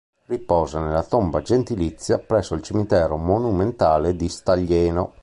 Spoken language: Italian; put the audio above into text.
Riposa nella tomba gentilizia presso il Cimitero Monumentale di Staglieno.